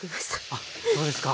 あっそうですか。